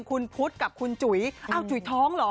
พูดกับคุณจุ๋ยจุ๋ยท้องเหรอ